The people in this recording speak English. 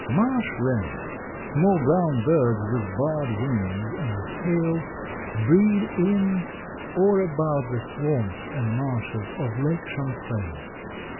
Marsh wrens, small brown birds, with barred wings and tail, breed in or about the swamps and marshes of Lake Champlain.